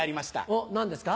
おっ何ですか？